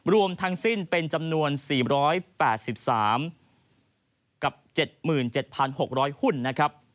รวมทางสิ้นเป็นจำนวน๔๘๓กับ๗๗๖๐๐หุ้น